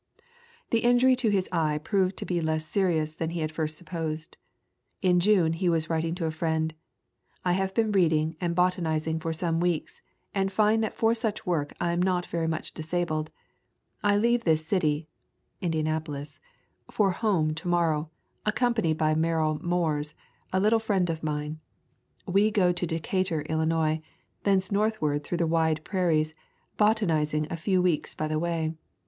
The injury to his eye proved to be less serious than he had at first supposed. In June he was writing to a friend: "I have been reading and botanizing for some weeks, and find that for such work I am not very much disabled. I leave this city [Indianapolis] for home to morrow, accompanied by Merrill Moores, a little friend of mine. We will go to Decatur, IIlinois, thence northward through the wide prairies, botaniz ing a few weeks by the way... .